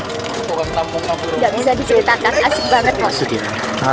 tidak bisa diseritakan